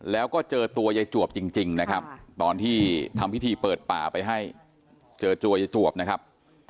แล้วก็เจอตัวยายจวบจริงนะครับตอนที่ทำพิธีเปิดป่าไปให้เจอตัวยายจวบนะครับ